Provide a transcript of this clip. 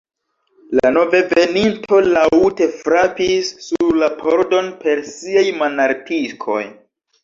La noveveninto laŭte frapis sur la pordon per siaj manartikoj.